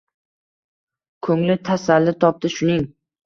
Ko'ngli tasalli topdi. Shuning